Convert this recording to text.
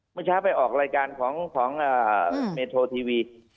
เมื่อเช้าไปออกรายการของเมโททีวี